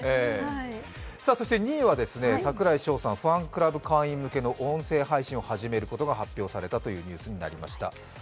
そして２位は櫻井翔さんファンクラブ会員向けの音声配信を始めることが発表されたというニュースでした。